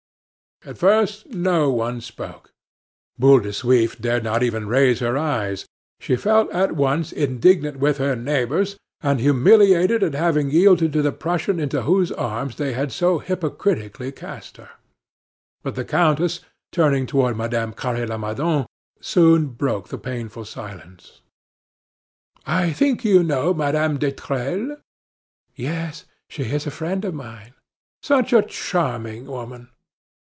At first no one spoke. Boule de Suif dared not even raise her eyes. She felt at once indignant with her neighbors, and humiliated at having yielded to the Prussian into whose arms they had so hypocritically cast her. But the countess, turning toward Madame Carre Lamadon, soon broke the painful silence: "I think you know Madame d'Etrelles?" "Yes; she is a friend of mine." "Such a charming woman!"